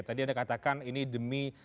tadi anda katakan ini demi